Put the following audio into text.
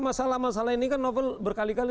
masalah masalah ini kan novel berkali kali